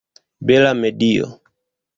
Bela medio!